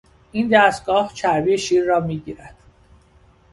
این دستگاه چربی شیر را میگیرد.